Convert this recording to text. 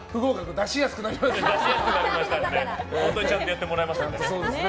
出しやすくなりましたので本当にちゃんとやってもらいましょうね。